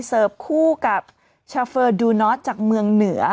คู่กับชาเฟอร์ดูนอสจากเมืองเหนือ